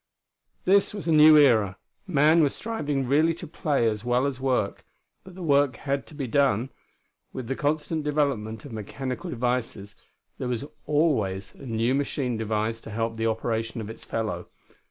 This was a new era. Man was striving really to play, as well as work. But the work had to be done. With the constant development of mechanical devices, there was always a new machine devised to help the operation of its fellow.